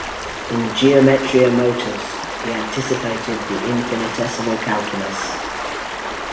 In "Geometria Motus", he anticipated the infinitesimal calculus.